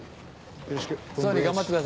よろしく。